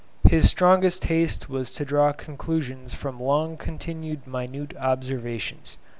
His strongest taste was to draw conclusions from long continued minute observations.